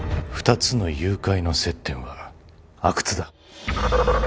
２つの誘拐の接点は阿久津だ